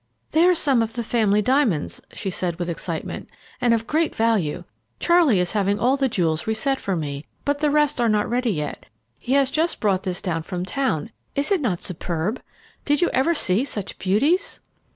"They are some of the family diamonds," she said with excitement, "and of great value. Charlie is having all the jewels reset for me, but the rest are not ready yet. He has just brought this down from town. Is it not superb? Did you ever see such beauties?"